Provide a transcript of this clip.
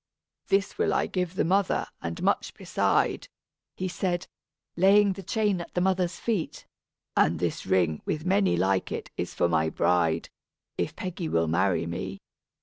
"This will I give the mother, and much beside," he said, laying the chain at the mother's feet; "and this ring with many like it is for my bride, if Peggy will marry me."